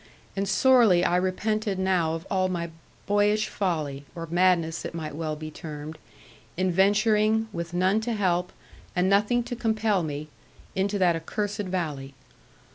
And sorely I repented now of all my boyish folly, or madness it might well be termed, in venturing, with none to help, and nothing to compel me, into that accursed valley.